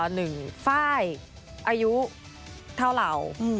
หนึ่งฟ้ายอายุเท่าเหล่า